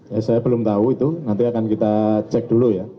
ya saya belum tahu itu nanti akan kita cek dulu ya